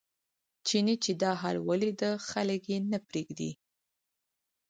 چیني چې دا حال ولیده خلک یې نه پرېږدي.